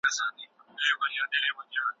هغه ماشوم چې ناست و، غلی و.